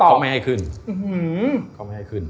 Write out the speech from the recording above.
เพราะว่าจริงเขาไม่ให้ขึ้น